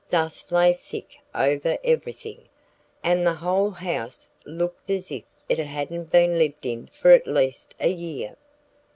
Dust lay thick over everything, and the whole house looked as if it hadn't been lived in for at least a year.